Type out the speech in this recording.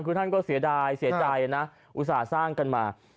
คือท่านก็เสียใจอุตส่าห์สร้างกันมา